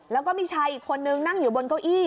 แล้วก็มีชายอีกคนนึงนั่งอยู่บนเก้าอี้